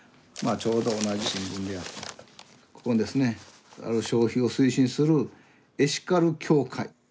ちょうど同じ新聞ではここにですねある消費を推進する「エシカル協会」